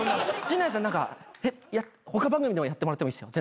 陣内さん他番組でもやってもらってもいいっすよ。